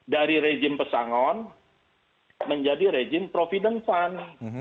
dari rejim pesangon menjadi rejim providen fund